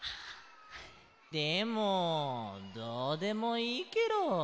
でもどうでもいいケロ。